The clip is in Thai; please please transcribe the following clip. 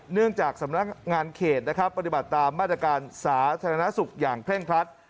เนื่องจากสำนักงานเขตนะครับปฏิบัติตามมาตรการสาธารณสุขอย่างเคร่งครัด